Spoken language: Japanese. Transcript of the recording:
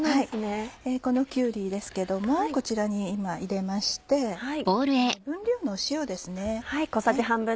このきゅうりですけどもこちらに入れまして分量の塩ですね。